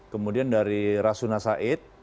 kemudian dari grogol sampai dengan cawang sampai dengan halim